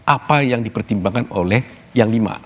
apa yang dipertimbangkan oleh yang lima